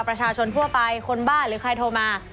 ประชาชนทั่วไปคนบ้าหรือใครโทรมา